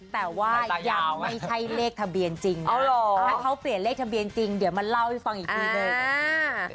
แต่ว่ายังไม่ใช่เลขทะเบียนจริงถ้าเขาเปลี่ยนเลขทะเบียนจริงเดี๋ยวมาเล่าให้ฟังอีกทีหนึ่ง